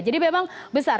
jadi memang besar